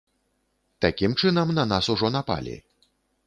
Такім чынам, на нас ужо напалі.